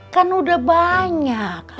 kan udah banyak